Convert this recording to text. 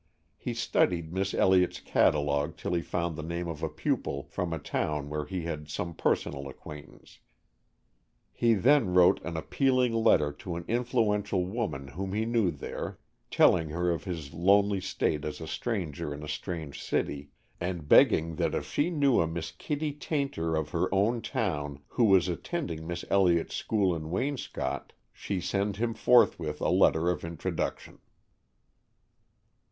He studied Miss Elliott's catalogue till he found the name of a pupil from a town where he had some personal acquaintance. He then wrote an appealing letter to an influential woman whom he knew there, telling her of his lonely state as a stranger in a strange city, and begging that if she knew a Miss Kitty Tayntor of her own town who was attending Miss Elliott's school in Waynscott, she send him forthwith a letter of introduction.